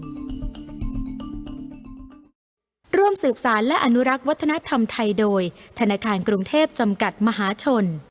ร่วมสืบสารและอนุรักษ์วัฒนธรรมไทยโดยธนาคารกรุงเทพจำกัดมหาชน